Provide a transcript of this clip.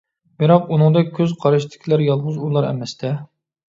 بىراق ئۇنىڭدەك كۆز قاراشتىكىلەر يالغۇز ئۇلا ئەمەستە؟ !